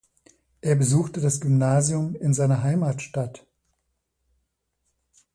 Er besuchte das Gymnasium in seiner Heimatstadt.